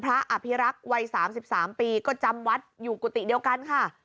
อภิรักษ์วัย๓๓ปีก็จำวัดอยู่กุฏิเดียวกันค่ะ